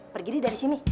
pergi deh dari sini